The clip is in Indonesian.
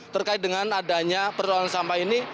terkait dengan adanya persoalan sampah ini